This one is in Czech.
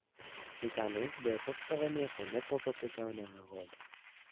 Titanik byl postaven jako nepotopitelná loď.